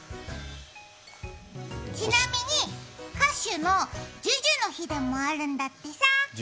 ちなみに歌手のＪＵＪＵの日でもあるんだってさ。